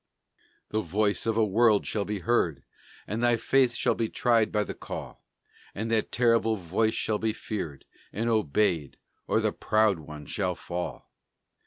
The voice of a world shall be heard, And thy faith shall be tried by the call; And that terrible voice shall be feared, And obeyed or the proud one shall fall.